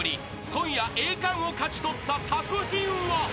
［今夜栄冠を勝ち取った作品は］